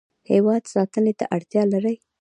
هیواد ساتنې ته اړتیا لري.